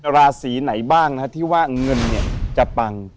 ราศีไหนบ้างนะที่ว่าเงินเนี่ยจะปัง